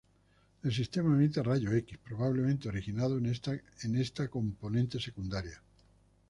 El sistema emite rayos X, probablemente originados en esta componente secundaria.